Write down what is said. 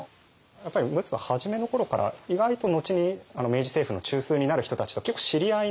やっぱり陸奥は初めの頃から意外と後に明治政府の中枢になる人たちと結構知り合いなんですね。